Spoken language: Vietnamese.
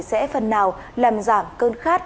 sẽ phần nào làm giảm cơn khát